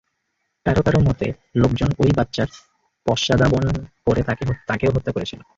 কারো কারো মতে, লোকজন ঐ বাচ্চার পশ্চাদ্ধাবন করে তাকেও হত্যা করেছিল।